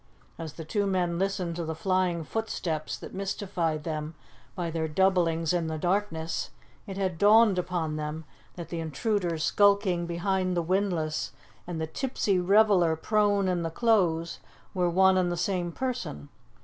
As the two men listened to the flying footsteps that mystified them by their doublings in the darkness, it had dawned upon them that the intruder skulking behind the windlass and the tipsy reveller prone in the close were one and the same person.